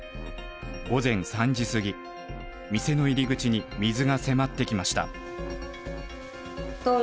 午前３時過ぎ店の入り口に水が迫ってきました。